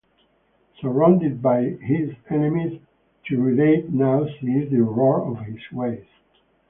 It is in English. Surrounded by his enemies, Tiridate now sees the error of his ways.